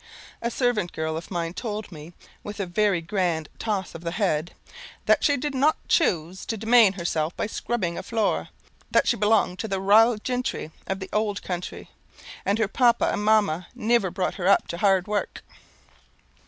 A servant girl of mine told me, with a very grand toss of the head, "that she did not choose to demane herself by scrubbing a floor; that she belonged to the ra'al gintry in the ould counthry, and her papa and mamma niver brought her up to hard work."